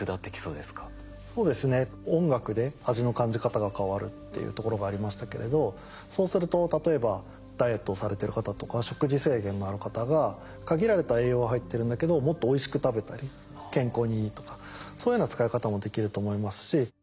そうですね「音楽で味の感じ方が変わる」っていうところがありましたけれどそうすると例えばダイエットをされてる方とか食事制限のある方が限られた栄養は入ってるんだけどもっとおいしく食べたり健康にいいとかそういうような使い方もできると思いますし。